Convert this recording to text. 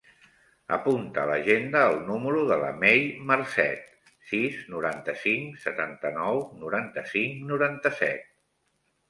Apunta a l'agenda el número de la Mei Marcet: sis, noranta-cinc, setanta-nou, noranta-cinc, noranta-set.